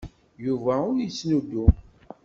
Yuba ur yettnuddum.